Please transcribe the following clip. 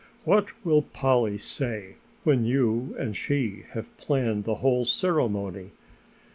What will Polly say when you and she have planned the whole ceremony?